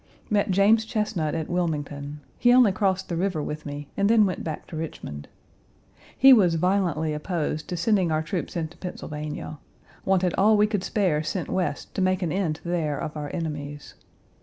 Met James Chesnut at Wilmington. He only crossed the river with me and then went back to Richmond. He was violently opposed to sending our troops into Pennsylvania: wanted all we could spare sent West to make an end there of our enemies.